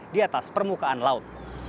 di atas permukaan laut